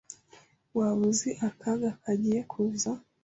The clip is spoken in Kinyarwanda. Waba uzi akaga kagiye kuza?